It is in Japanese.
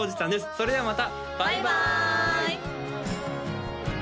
それではまたバイバーイ！